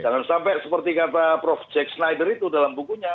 jangan sampai seperti kata prof jack snider itu dalam bukunya